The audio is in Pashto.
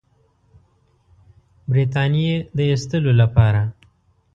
برټانیې د ایستلو لپاره.